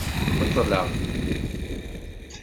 Beṭṭleɣ.